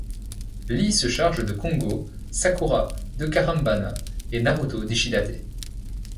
Lee se charge de Kongô, Sakura de Karenbana et Naruto d'Ishidate.